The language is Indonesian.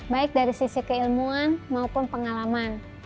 baik dari sisi keilmuan maupun pengalaman